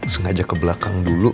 sengaja ke belakang dulu